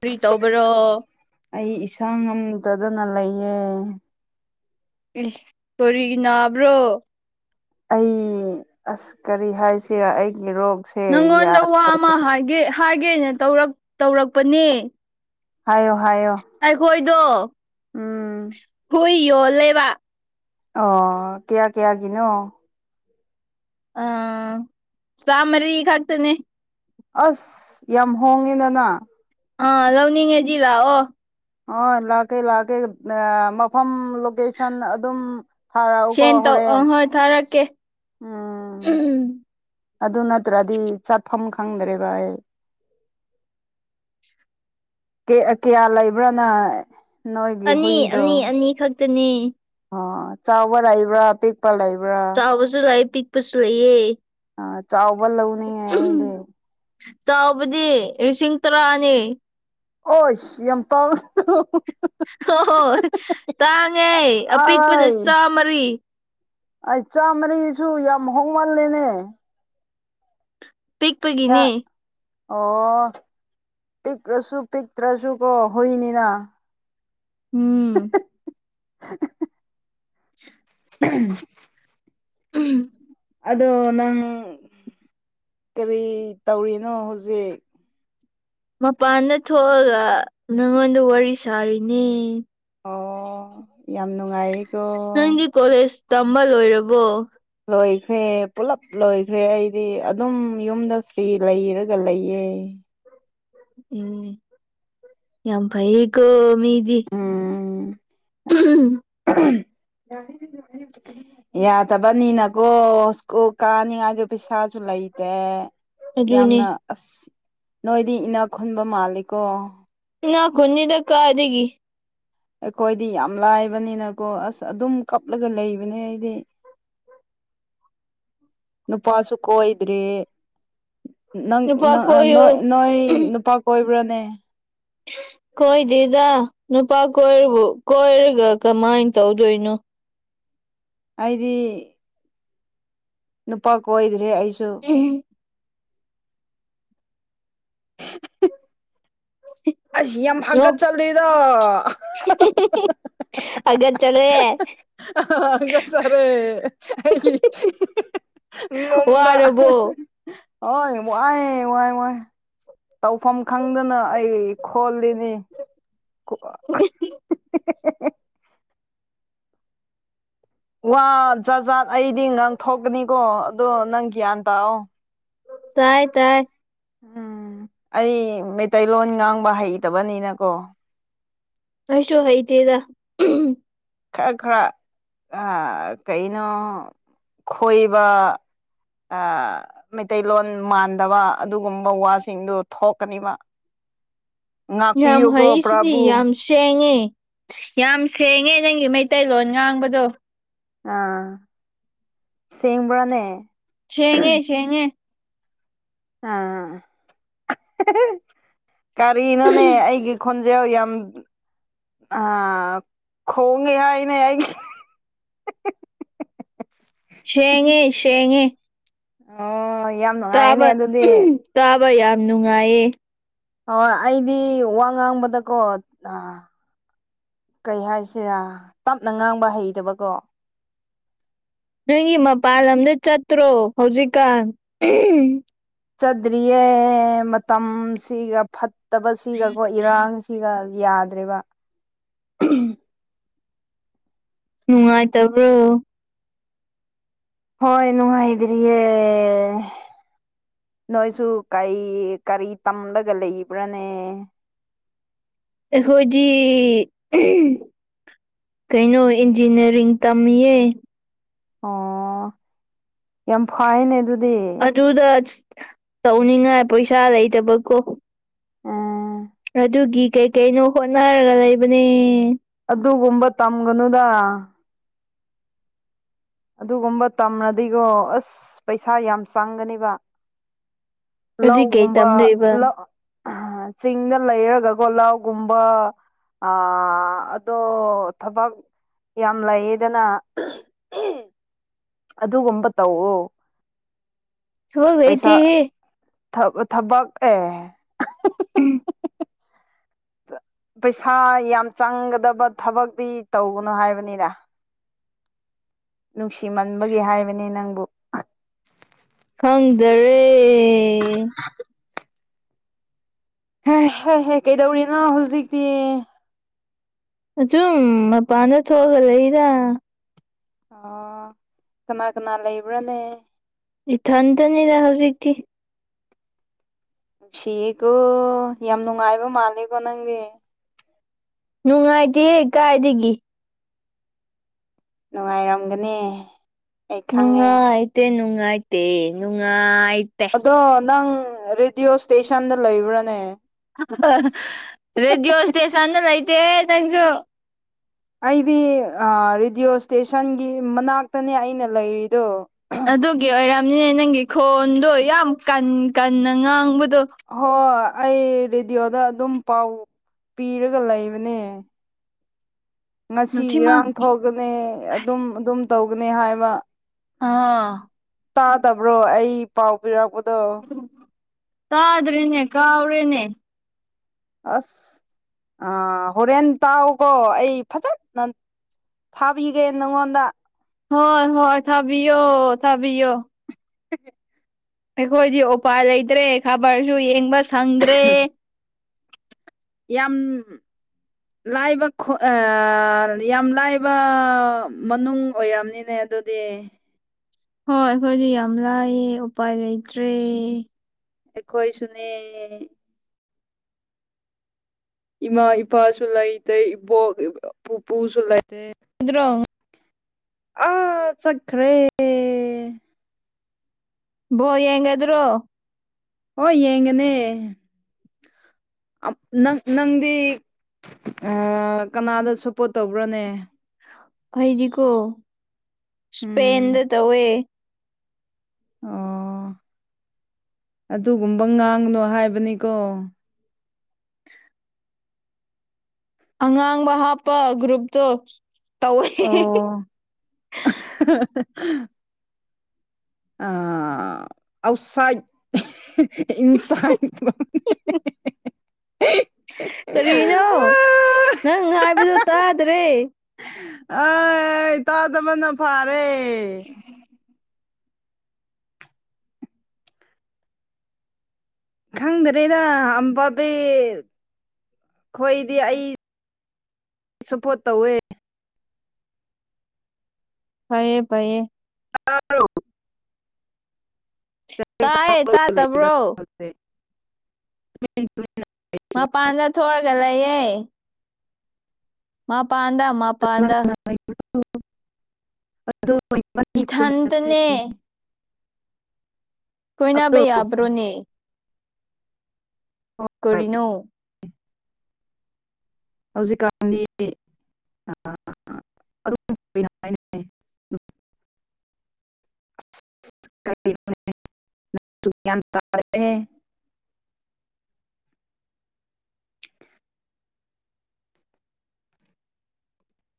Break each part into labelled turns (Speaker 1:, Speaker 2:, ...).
Speaker 1: ꯀ꯭ꯔꯤ ꯇꯧꯕꯔꯣ
Speaker 2: ꯑꯩ ꯏꯁꯥ ꯉꯝꯗꯗꯅ ꯂꯩꯌꯦ
Speaker 1: ꯏꯁ ꯀꯔꯤ ꯅꯥꯕ꯭ꯔꯣ
Speaker 2: ꯑꯩ ꯑꯁ ꯀꯔꯤ ꯍꯥꯏꯁꯤꯔ ꯑꯩꯒꯤ ꯔꯣꯛꯁ
Speaker 1: ꯅꯪꯉꯣꯟꯗ ꯋꯥ ꯑꯃ ꯍꯥꯏꯒꯦ ꯍꯥꯏꯒꯦꯅ ꯇꯧꯔꯛ ꯇꯧꯔꯛꯄꯅꯦ
Speaker 2: ꯍꯥꯏꯌ‌ꯣ ꯍꯥꯏꯌꯣ
Speaker 1: ꯑꯩꯈꯣꯏꯗꯣ
Speaker 2: ꯎꯝ
Speaker 1: ꯍꯨꯏ ꯌꯣꯜꯂꯦꯕ
Speaker 2: ꯑꯣ ꯀꯌꯥ ꯀꯌꯥꯒꯤꯅꯣ
Speaker 1: ꯑ ꯆꯃꯔꯤ ꯈꯛꯇꯅꯦ
Speaker 2: ꯑꯁ ꯌꯥꯝ ꯍꯣꯡꯉꯦꯗꯅ
Speaker 1: ꯑꯥ ꯂꯧꯅꯤꯡꯉꯗꯤ ꯂꯥꯛꯑꯣ
Speaker 2: ꯍ‌ꯣꯏ ꯂꯥꯛꯀꯦ ꯂꯥꯛꯀꯦ ꯑ ꯃꯐꯝ ꯂꯣꯀꯦ ꯁꯟ ꯑꯗꯨꯝ ꯊꯥꯔꯛꯎꯀꯣ
Speaker 1: ꯁꯦꯟ ꯇꯧ ꯑ
Speaker 2: ꯍꯣꯔꯦꯟ
Speaker 1: ꯍꯣꯏ ꯊꯥꯔꯛꯀꯦ
Speaker 2: ꯎꯝ
Speaker 1: ꯎꯝ
Speaker 2: ꯑꯗꯨ ꯅꯠꯇ꯭ꯔꯗꯤ ꯆꯠꯐꯝ ꯈꯪꯗ꯭ꯔꯦꯕ ꯑꯩ ꯀ‌ꯦ ꯀꯌꯥ ꯂꯩꯕ꯭ꯔꯥꯅ ꯅꯣꯏꯒꯤ
Speaker 1: ꯑꯅꯤ ꯑꯅꯤ ꯑꯅꯤ ꯈꯛꯇꯅ‌ꯦ
Speaker 2: ꯑ ꯆꯥꯎꯕꯔ ꯂꯩꯕ꯭ꯔꯥ ꯄꯤꯛ ꯄ ꯂꯩꯕ꯭ꯔꯥ
Speaker 1: ꯆꯥꯎꯕꯁꯨ ꯂꯩꯥ ꯄꯤꯛꯄꯁꯨ ꯂꯩꯌꯦ
Speaker 2: ꯑ ꯆꯥꯎꯕ ꯂꯧꯅꯤꯡꯉꯦ ꯑꯩꯗꯤ
Speaker 1: ꯆꯥꯎꯕꯗꯤ ꯂꯤꯁꯤꯡ ꯇꯔꯥꯅꯦ
Speaker 2: ꯑꯣꯏꯁ ꯌꯥꯝ ꯇꯥꯡ [unintelligible]
Speaker 1: ꯍꯣꯏ ꯇꯥꯡꯉꯦ ꯑꯄꯤꯛꯄꯅ
Speaker 2: ꯑꯔꯥꯏ
Speaker 1: ꯆꯥꯃꯔꯤ
Speaker 2: ꯑꯩ ꯆꯥꯝꯃꯔꯤꯁꯨ ꯌꯥꯝ ꯍꯣꯡꯃꯜꯂꯦꯅꯦ ꯌꯥ
Speaker 1: ꯄꯤꯛꯄꯒꯤꯅ‌ꯦ
Speaker 2: ꯑꯣ ꯄꯤꯛꯔꯁꯨ ꯄꯤꯛꯇ꯭ꯔꯁꯨ ꯀꯣ ꯍꯨꯏꯅꯤꯅ
Speaker 1: ꯎꯝ
Speaker 2: [unintelligible] [unintelligible]
Speaker 1: ꯎꯝ
Speaker 2: ꯑꯗꯣ ꯅꯪ ꯀꯔꯤ ꯇꯧꯔꯤꯅꯣ ꯍꯧꯖꯤꯛ
Speaker 1: ꯃꯄꯥꯟꯗ ꯊꯣꯛꯑꯒ ꯅꯉꯣꯟꯗ ꯋꯥꯔꯤ ꯁꯥꯔꯤꯅꯤ
Speaker 2: ꯑꯣ ꯌꯥꯝ ꯅꯨꯡꯉꯥꯏꯔꯤꯀꯣ
Speaker 1: ꯅꯪꯗꯤ ꯀꯣꯂꯦꯖ ꯇꯝꯕ ꯂꯣꯏꯔꯕꯣ
Speaker 2: ꯂꯣꯏꯈ꯭ꯔꯦ ꯄꯨꯂꯞ ꯂꯣꯏꯈ꯭ꯔꯦ ꯑꯩꯗꯤ ꯑꯗꯨꯝ ꯌꯨꯝꯗ ꯐ꯭ꯔꯤ ꯂꯩꯔꯒ ꯂꯩꯌꯦ
Speaker 1: ꯎꯝ ꯌꯥꯝ ꯐꯩꯌꯦꯀꯣ ꯃꯤꯗꯤ
Speaker 2: ꯎꯝ
Speaker 1: ꯎꯝ
Speaker 2: [unintelligible] ꯌꯥꯗꯕꯅꯤꯅꯀꯣ ꯁ꯭ꯀꯨꯜ ꯀꯥꯅꯤꯡꯉꯥꯏꯒꯤ ꯄꯩꯁꯥꯁꯨ ꯂꯩꯇꯦ ꯌꯥꯝꯅ
Speaker 1: ꯑꯗꯨꯅꯦ
Speaker 2: ꯑꯁ ꯅꯣꯏꯗꯤ ꯏꯅꯥꯛ ꯈꯨꯟꯕ ꯃꯥꯜꯂꯤꯀꯣ
Speaker 1: ꯏꯅꯥ ꯈꯨꯟꯗ‌ꯦꯗ ꯀꯥꯏꯗꯒꯤ
Speaker 2: ꯑꯩꯈꯣꯏꯗꯤ ꯌꯥꯝ ꯂꯥꯏꯕꯅꯤꯅꯀꯣ ꯑꯁ ꯑꯗꯨꯝ ꯀꯞꯂꯒ ꯂꯩꯕꯅꯦ ꯑꯩꯗꯤ ꯅꯨꯨꯄꯥꯁꯨꯨ ꯀꯣꯏꯗ꯭ꯔꯦ ꯅꯪ ꯅ
Speaker 1: ꯅꯨꯄꯥ
Speaker 2: ꯅꯣꯏ
Speaker 1: ꯀꯣꯏꯌꯣ
Speaker 2: ꯅꯣꯏ ꯅꯨꯄꯥ ꯀꯣꯏꯕ꯭ꯔꯥꯅꯦ
Speaker 1: ꯀꯣꯏꯗꯦꯗ ꯅꯨꯄꯥ ꯀꯣꯏꯔꯕꯨ ꯀꯣꯏꯔꯒ ꯀꯃꯥꯏꯅ ꯇꯧꯗꯣꯏꯅꯣ
Speaker 2: ꯑꯩꯗꯤ ꯅꯨꯄꯥ ꯀꯣꯏꯗ꯭ꯔꯦ ꯑꯩꯁꯨ
Speaker 1: [unintelligible] [inaudible]
Speaker 2: ꯑꯁ ꯌꯥꯝ
Speaker 1: ꯅꯣꯛ
Speaker 2: ꯍꯒꯠꯆꯜꯂꯤꯗ
Speaker 1: [unintelligible] ꯍꯒꯠꯆꯔꯦ
Speaker 2: ꯑꯍ ꯍꯒꯠꯆꯔꯦ ꯑꯩ ꯍꯤ ꯍꯤ ꯍꯤ ꯉꯣꯝꯗ
Speaker 1: ꯋꯥꯔꯕꯣ
Speaker 2: ꯍꯣꯏ ꯋꯥꯏ ꯋꯥꯏ ꯋꯥꯏ ꯇꯧꯐꯝ ꯈꯪꯗꯅ ꯑꯩ ꯈꯣꯜꯂꯤꯅꯤ ꯈꯣ [unintelligible] [unintelligible] ꯋꯥ ꯖꯥꯖꯥꯠ ꯑꯩꯗꯤ ꯉꯥꯡꯊꯣꯛꯀꯅꯤꯀꯣ ꯑꯗꯣ ꯅꯪ ꯒ꯭ꯌꯥꯟ ꯇꯥꯑꯣ
Speaker 1: ꯇꯥꯏ ꯇꯥꯏ
Speaker 2: ꯎꯝ ꯑꯩ ꯃꯩꯇꯩꯂꯣꯟ ꯉꯥꯡꯕ ꯍꯩꯇꯕꯅꯤꯅꯀꯣ
Speaker 1: ꯑꯩꯁꯨ ꯍꯥꯏꯇꯦꯗ ꯎꯝ
Speaker 2: ꯈꯔ ꯈꯔ ꯑ ꯀꯩꯅꯣ ꯈꯣꯏꯕ ꯑ ꯃꯩꯇꯩꯂꯣꯟ ꯃꯥꯟꯗꯕ ꯑꯗꯨꯒꯨꯝꯕ ꯋꯥꯁꯤꯡꯗꯨ ꯊꯣꯛꯀꯅꯤꯕ
Speaker 1: ꯌꯥꯝ
Speaker 2: ꯉꯥꯛꯄꯤꯌꯨꯀꯣ
Speaker 1: ꯍꯩꯁꯤꯗꯤ
Speaker 2: ꯄ꯭ꯔꯚꯨ
Speaker 1: ꯌꯥꯝ ꯁꯦꯡꯉꯦ ꯌꯥꯝ ꯁꯦꯡꯉꯦ ꯅꯪꯒꯤ ꯃꯩꯇꯩꯂꯣꯟ ꯉꯥꯡꯕꯗꯣ
Speaker 2: ꯑꯥ ꯁꯦꯡꯕ꯭ꯔꯥꯅꯦ
Speaker 1: ꯁꯦꯡꯉꯦ ꯁꯦꯡꯉꯦ
Speaker 2: ꯑ [unintelligible] ꯀꯔꯤꯅꯣꯅꯦ ꯑꯩꯒꯤ ꯈꯣꯟꯖꯦꯜ ꯌꯥꯝ ꯑ ꯈꯣꯡꯉꯦ ꯍꯥꯏꯅꯦ ꯑꯩꯒꯤ
Speaker 1: ꯁꯦꯡꯉꯦ ꯁꯦꯉꯦ
Speaker 2: ꯑꯣ ꯌꯥꯝ ꯅꯨꯡꯉꯥꯏꯑꯅꯦ ꯑꯗꯨꯗꯤ
Speaker 1: ꯇꯥꯕ ꯌꯥꯝ ꯅꯨꯡꯉꯥꯏꯌꯦ
Speaker 2: ꯑꯧꯑ ꯑꯩꯗꯤ ꯋꯥ ꯉꯥꯡꯕꯗꯀꯣ ꯑ ꯀꯩ ꯍꯥꯏꯁꯤꯔꯥ ꯇꯞꯅ ꯉꯥꯡꯕ ꯍꯩꯗꯕꯀꯣ
Speaker 1: ꯅꯪꯒꯤ ꯃꯄꯥꯟ ꯂꯝꯗ ꯆꯠꯇ꯭ꯔꯣ ꯍꯧꯖꯤꯛꯀꯥꯟ ꯎꯝ
Speaker 2: ꯆꯗ꯭ꯔꯤꯌꯦ ꯃꯇꯝꯁꯤꯒ ꯐꯠꯇꯕꯁꯤꯒ ꯀꯣꯏ ꯏꯔꯥꯡꯁꯤꯒ ꯌꯥꯗ꯭ꯔꯦꯕ [unintelligible]
Speaker 1: ꯅꯨꯡꯉꯥꯏꯇꯕ꯭ꯔꯣ
Speaker 2: ꯍꯣꯏ ꯅꯨꯡꯉꯥꯏꯗꯔꯤꯌꯦ ꯅꯣꯏꯁꯨ ꯀꯩ ꯀꯔꯤ ꯇꯝꯂꯒ ꯂꯩꯕ꯭ꯔꯥꯅꯦ
Speaker 1: ꯑꯈꯣꯏꯗꯤ ꯎꯝ ꯀꯩꯅꯣ ꯏꯟꯖꯤꯜꯅꯥꯔꯤꯡ ꯇꯝꯃꯤꯌꯦ
Speaker 2: ꯑꯣ ꯌꯥꯝ ꯐꯥꯏꯅꯦ ꯑꯗꯨꯗꯤ
Speaker 1: ꯑꯗꯨꯗ ꯇꯧꯅꯤꯡꯉꯥꯏ ꯄꯩꯁꯥ ꯂꯩꯇꯕꯀꯣ
Speaker 2: ꯎꯝ
Speaker 1: ꯑꯗꯨꯒꯤ ꯀꯩ ꯀꯩꯅꯣ ꯍꯣꯠꯅꯔꯒ ꯂꯩꯕꯅꯦ
Speaker 2: ꯑꯗꯨꯒꯨꯝꯕ ꯇꯝꯒꯅꯨꯗ ꯑꯗꯨꯒꯨꯝꯕ ꯇꯝꯔꯗꯤꯒꯣ ꯑꯁ ꯄꯩꯁꯥ ꯌꯥꯝ ꯆꯪꯒꯅꯦꯕ
Speaker 1: ꯑꯗꯨꯏ ꯀꯩ
Speaker 2: ꯂꯧꯒꯨꯝꯕ
Speaker 1: ꯇꯝꯗꯣꯏꯕ
Speaker 2: ꯂ ꯑꯍꯥ ꯆꯤꯡꯗ ꯂꯩꯔꯒꯀꯣ ꯂꯧꯒꯨꯝꯕ ꯑ ꯑꯗꯣ ꯊꯕꯛ ꯌꯥꯝ ꯂꯩꯌꯦꯗꯅ ꯎꯝ ꯑꯗꯨꯒꯨꯝꯕ ꯇꯧꯑꯣ
Speaker 1: [unintelligible]
Speaker 2: ꯊꯕ ꯊꯕꯛ ꯑꯦ ꯄꯩꯁꯥ ꯌꯥꯝ ꯆꯪꯒꯗꯕ ꯊꯕꯛꯇꯤ ꯇꯧꯒꯅꯨ ꯍꯥꯏꯕꯅꯦꯗ ꯅꯨꯡꯁꯤꯃꯟꯕꯒꯤ ꯍꯥꯏꯕꯅꯦ ꯅꯪꯕꯨ
Speaker 1: ꯈꯪꯗꯔꯦ
Speaker 2: ꯍ ꯍꯦ ꯍꯦ ꯀꯩꯗꯧꯔꯤꯅꯣ ꯍꯧꯖꯤꯛꯇꯤ
Speaker 1: ꯑꯁꯨꯝ ꯃꯄꯥꯟꯗ ꯊꯣꯛꯑꯒ ꯂꯩꯗ
Speaker 2: ꯑꯣ ꯀꯅꯥ ꯀꯅꯥ ꯂꯩꯕ꯭ꯔꯥꯅꯦ
Speaker 1: ꯏꯊꯟꯗꯅꯤꯗ ꯍꯧꯖꯤꯛꯇꯤ
Speaker 2: ꯅꯨꯡꯁꯤꯌꯦꯀꯣ ꯌꯥꯝ ꯅꯨꯡꯉꯥꯏꯕ ꯃꯥꯂꯦꯀꯣ ꯅꯪꯗꯤ
Speaker 1: ꯅꯨꯡꯉꯥꯏꯇꯦ ꯀꯥꯏꯗꯒꯤ
Speaker 2: ꯅꯨꯡꯉꯥꯏꯔꯝꯒꯅꯤ ꯑꯩ
Speaker 1: ꯅꯨꯡ
Speaker 2: ꯈꯪꯉꯦ
Speaker 1: ꯑꯥꯏꯇꯦ ꯅꯨꯡꯥꯏꯇꯦ ꯅꯨꯡ
Speaker 2: ꯑꯗꯣ ꯅꯪ ꯔꯦꯗꯤꯌꯣ ꯏꯁꯇꯦꯁꯟꯗ ꯂꯩꯕ꯭ꯔꯥꯅꯦ
Speaker 1: ꯔꯦꯗꯤꯑꯣ ꯏꯁꯇꯦꯁꯟꯗ ꯂꯩꯇꯦ ꯅꯪꯁꯨ
Speaker 2: ꯑꯩꯗꯤ ꯔꯦꯗꯤꯑꯣ ꯏꯁꯇꯦꯁꯟꯒꯤ ꯃꯅꯥꯛꯇꯅꯦ ꯑꯩꯅ ꯂꯩꯔꯤꯗꯣ
Speaker 1: ꯑꯗꯨꯒꯤ ꯑꯣꯏꯔꯝꯅꯤꯅꯦ ꯅꯪꯒꯤ ꯈꯣꯟꯗꯣ ꯌꯥꯝ ꯀꯟ ꯀꯟꯅ ꯉꯥꯡꯕꯗꯣ
Speaker 2: ꯍꯣꯏ ꯑꯩ ꯔꯦꯗꯤꯑꯣꯗ ꯑꯗꯨꯝ ꯄꯥꯎ ꯄꯤꯔꯒ ꯂꯩꯕꯅꯦ ꯉꯁꯤ
Speaker 1: ꯅꯨꯡꯊꯤꯃ
Speaker 2: ꯏꯔꯥꯡ ꯊꯣꯛꯒꯅꯤ ꯑꯗꯨꯝ ꯑꯗꯨꯝ ꯇꯧꯒꯅꯤ ꯍꯥꯏꯕ
Speaker 1: ꯑ
Speaker 2: ꯇꯥꯗꯕ꯭ꯔꯣ ꯑꯩ ꯄꯥꯎ ꯄꯤꯔꯛꯄꯗꯣ
Speaker 1: ꯇꯥꯗ꯭ꯔꯦꯅꯦ ꯀꯥꯎꯔꯦꯅꯦ
Speaker 2: ꯑꯁ ꯑꯥ ꯍꯣꯔꯦꯟ ꯇꯥꯎꯎꯀꯣ ꯑꯩ ꯐꯖꯅ ꯊꯥꯕꯤꯒꯦ ꯅꯪꯉꯣꯟꯗ
Speaker 1: ꯍꯣꯏ ꯍꯣꯏ ꯊꯥꯕꯤꯌꯣ ꯊꯥꯕꯤꯌꯣ
Speaker 2: ꯍ
Speaker 1: ꯑꯩꯈꯣꯏꯗꯤ ꯎꯄꯥꯏ ꯂꯩꯇ꯭ꯔꯦ ꯈꯕꯔꯁꯨ ꯌꯦꯡꯕ ꯁꯪꯗ꯭ꯔꯦ
Speaker 2: ꯌꯥꯝ ꯂꯥꯏꯕ ꯌꯥꯝ ꯂꯥꯏꯕ ꯃꯅꯨꯡ ꯑꯣꯏꯔꯝꯅꯤꯅꯦ ꯑꯗꯨꯗꯤ
Speaker 1: ꯍꯣꯏ ꯑꯩꯈꯣꯏꯗꯤ ꯌꯥꯝ ꯂꯥꯏꯌꯦ ꯎꯄꯥꯏ ꯂꯩꯇ꯭ꯔꯦ
Speaker 2: ꯈꯣꯏ ꯁꯅꯦ ꯏꯃꯥ ꯏꯄꯥꯁꯨ ꯂꯩꯇꯦ ꯏꯕꯣꯛ ꯄꯨꯄꯨꯁꯨ ꯂꯩꯇꯦ
Speaker 1: ꯑꯗꯨꯗ꯭ꯔꯣ
Speaker 2: ꯆꯈ꯭ꯔꯦ
Speaker 1: ꯌꯦꯡꯗ꯭ꯔꯣ
Speaker 2: ꯍꯣꯏ ꯌꯦꯡꯒꯅꯦ ꯅꯪ ꯅꯪꯗꯤ ꯀꯅꯥꯗ ꯁꯞꯄꯣꯔꯠ ꯇꯧꯕ꯭ꯔꯥꯅꯦ
Speaker 1: ꯑꯩꯗꯤꯀꯣ ꯏꯁꯄꯦꯟꯗ
Speaker 2: ꯎꯝ
Speaker 1: ꯇꯧꯋꯦ
Speaker 2: ꯑꯣ ꯑꯗꯨꯒꯨꯝꯕ ꯉꯥꯡꯅꯨ ꯍꯥꯏꯕꯅꯤꯀꯣ
Speaker 1: ꯑꯉꯥꯡꯕ ꯍꯥꯞꯄ ꯒ꯭ꯔꯨꯞꯇꯣ ꯇꯧꯋꯦ
Speaker 2: ꯑꯣ [unintelligible] [inaudible] ꯏꯟꯁꯥꯡ
Speaker 1: ꯀꯔꯤꯅꯣ ꯅꯪ ꯍꯥꯏꯕꯗꯨ ꯇꯥꯗ꯭ꯔꯦ
Speaker 2: ꯑ ꯇꯗ ꯃꯅ ꯐꯥꯔꯦ ꯈꯪꯗ꯭ꯔꯦꯗ ꯑꯝꯕꯕꯤ ꯑꯩꯈꯣꯏꯗꯤ ꯑꯩ ꯁꯨꯄꯣ ꯇꯋꯦ
Speaker 1: ꯐꯌꯦ ꯐꯌꯦ
Speaker 2: ꯆꯔ [unintelligible]
Speaker 1: ꯇꯥꯏꯌꯦ ꯇꯥ ꯇꯕ꯭ꯔꯣ
Speaker 2: [unintelligible]
Speaker 1: ꯃꯄꯥꯟꯗ ꯊꯑꯒ ꯂꯩꯌꯦ ꯃꯥ ꯄꯥꯟꯗ ꯃꯥ ꯄꯥꯟꯗ
Speaker 2: ꯑꯗꯨ
Speaker 1: ꯏꯊꯟꯇꯅꯦ
Speaker 2: ꯑꯗꯣ
Speaker 1: ꯀꯣꯏꯅꯕꯩ ꯌꯥꯕ꯭ꯔꯣꯅꯦ
Speaker 2: ꯍꯣꯏ
Speaker 1: ꯀꯅꯨ
Speaker 2: ꯍꯧꯖꯤꯛꯀꯥꯟꯗꯤ ꯎꯝ [unintelligible]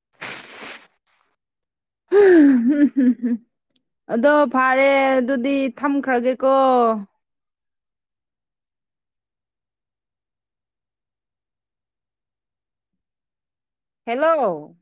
Speaker 2: [unintelligible] ꯑꯗꯣ ꯐꯔꯦ ꯑꯗꯨꯗꯤ ꯊꯝꯈ꯭ꯔꯒꯦꯀꯣ ꯍꯦꯜꯂꯣ